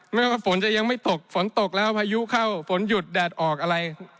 ไม่ว่าฝนจะยังไม่ตกฝนตกแล้วพายุเข้าฝนหยุดแดดออกอะไร